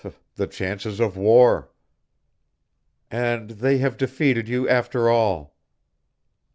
"The chances of war." "And they have defeated you after all."